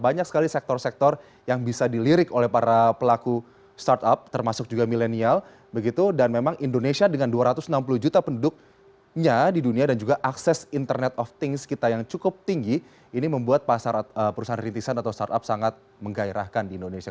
banyak sekali sektor sektor yang bisa dilirik oleh para pelaku startup termasuk juga milenial begitu dan memang indonesia dengan dua ratus enam puluh juta penduduknya di dunia dan juga akses internet of things kita yang cukup tinggi ini membuat pasar perusahaan rintisan atau startup sangat menggairahkan di indonesia